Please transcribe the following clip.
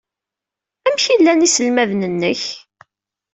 Amek ay llan yiselmaden-nnek?